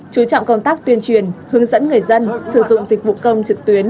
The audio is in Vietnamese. chú trọng công tác tuyên truyền hướng dẫn người dân sử dụng dịch vụ công trực tuyến